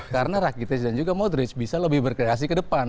karena rakitis dan juga modris bisa lebih berkreasi ke depan